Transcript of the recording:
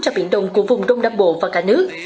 cho biển đông của vùng đông nam bộ và cả nước